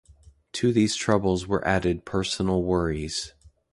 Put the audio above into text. To these troubles were added personal worries.